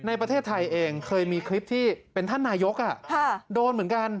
ในประเทศไทยเองเคยมีคลิปที่เป็นท่านนายกโดนเหมือนกัน